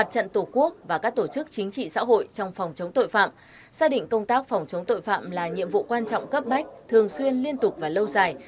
xác định công tác phòng chống tội phạm là nhiệm vụ quan trọng cấp bách thường xuyên liên tục và lâu dài